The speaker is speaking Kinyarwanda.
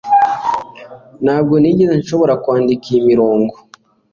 ntabwo nigeze nshobora kwandika iyi mirongo